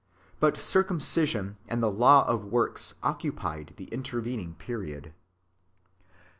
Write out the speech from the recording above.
But circumcision and the law of works occupied the intervening period.